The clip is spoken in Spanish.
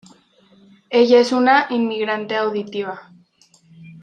Ella es una inmigrante auditiva.